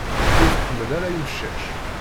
Ur tḥemmel ara imcac.